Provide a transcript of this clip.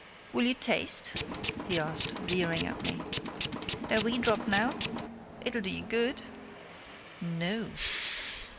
"Will you taste?" he asked, leering at me. "A wee drop, now? It'll do you good." "No!"